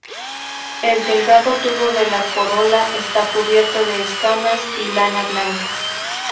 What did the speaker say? El delgado tubo de la corola está cubierto de escamas, y lana blanca.